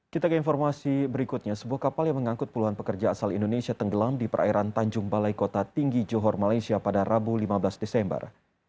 kita ke informasi berikutnya sebuah kapal yang mengangkut puluhan pekerja asal indonesia tenggelam di perairan tanjung balai kota tinggi johor malaysia pada rabu lima belas desember